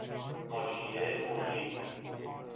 حاشیه موجی